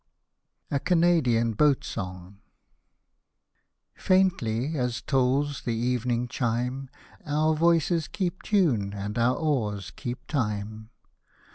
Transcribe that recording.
A CANADIAN BOAT SONG Faintly as tolls the evening chime Our voices keep tune and our oars keep time.